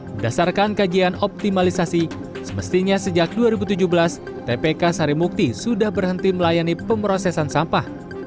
berdasarkan kajian optimalisasi semestinya sejak dua ribu tujuh belas tpk sarimukti sudah berhenti melayani pemrosesan sampah